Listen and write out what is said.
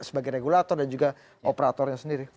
sebagai regulator dan juga operatornya sendiri